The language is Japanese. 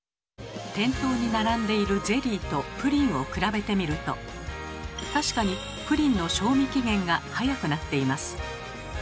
店頭に並んでいるゼリーとプリンを比べてみると確かにプリンの賞味期限が早くなっています。